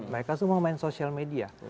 mereka semua main social media